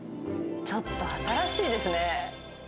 ちょっと新しいですね。